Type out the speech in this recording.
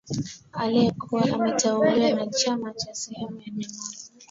Aliyekuwa ameteuliwa na chama cha sehemu ya jamhuri